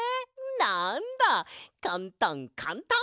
なんだかんたんかんたん！